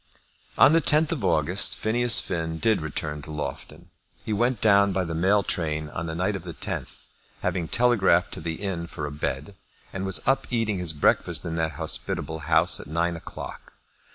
On the 10th of August, Phineas Finn did return to Loughton. He went down by the mail train on the night of the 10th, having telegraphed to the inn for a bed, and was up eating his breakfast in that hospitable house at nine o'clock.